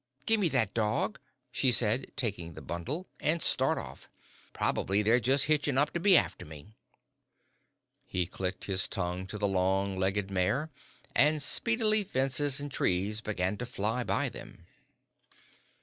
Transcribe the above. "Gimme that dog," she said, taking the bundle, "an' start off. Prob'ly they're just hitchin' up to be after me." He clicked his tongue to the long legged mare, and speedily fences and trees began to fly by them.